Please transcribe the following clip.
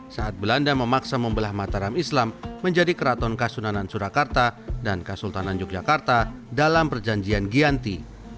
saat belanda memaksa membelah mataram islam menjadi keraton kasunanan surakarta dan kasultanan yogyakarta dalam perjanjian giyanti